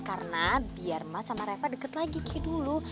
karena biar mas sama reva deket lagi kayak dulu